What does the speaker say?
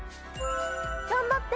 頑張って！